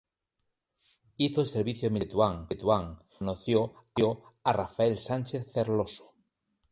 Hizo el servicio militar en Tetuán, donde conoció a Rafael Sánchez Ferlosio.